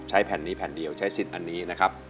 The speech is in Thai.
แผ่นนี้แผ่นเดียวใช้สิทธิ์อันนี้นะครับ